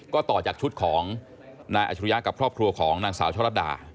ก็ต่อจากชุดของนายอัชรุยะกับครอบครัวของนางสาวชะลัดดา